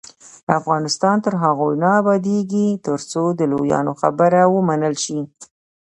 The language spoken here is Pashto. افغانستان تر هغو نه ابادیږي، ترڅو د لویانو خبره ومنل شي.